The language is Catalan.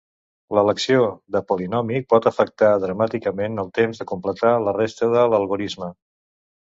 L'elecció de polinòmic pot afectar dramàticament el temps de completar la resta de l'algorisme.